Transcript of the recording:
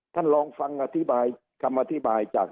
ท่านลองฟังคำอธิบายจาก